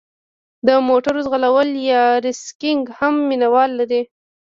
د موټرو ځغلول یا ریسینګ هم مینه وال لري.